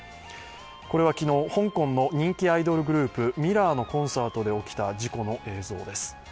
これは昨日、香港の人気アイドルグループ、ＭＩＲＲＯＲのコンサートで起きた事故の映像です。